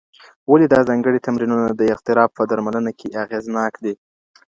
ولي دا ځانګړي تمرینونه د اضطراب په درملنه کي اغېزناک دي؟